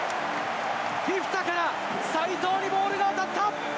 フィフィタから齋藤にボールが渡った。